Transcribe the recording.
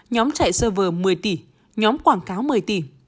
nhóm chạy server một mươi tỷ nhóm quảng cáo một mươi tỷ